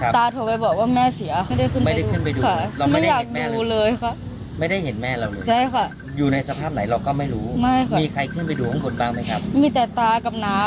สุดท้ายมาวิจัย